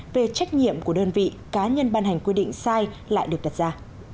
về trách nhiệm của đơn vị cá nhân ban hành quy định sai lại được đặt ra